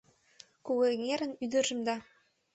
Кугэҥерын ӱдыржым да